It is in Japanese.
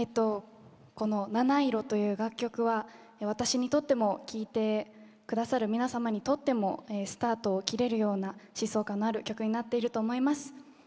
「なないろ」という楽曲は私にとっても聴いてくださる皆様にとってもスタートを切れるような疾走感のある曲になっていると思います。